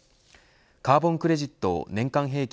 カーボンクレジットを年間平均